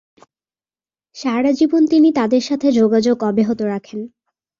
সারা জীবন তিনি তাদের সাথে যোগাযোগ অব্যাহত রাখেন।